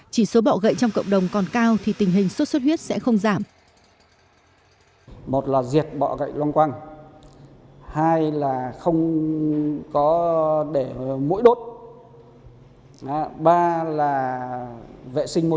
chỉ số bọ gậy trong cộng đồng còn cao thì tình hình sốt xuất huyết sẽ không giảm